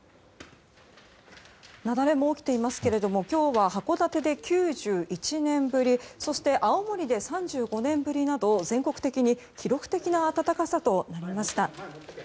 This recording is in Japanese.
雪崩も起きていますけれども今日は函館で９１年ぶりそして青森で３５年ぶりなど全国的に記録的な暖かさとなりました。